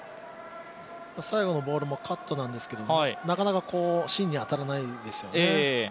最後のボールもカットなんですけど、なかなか芯に当たらないですよね。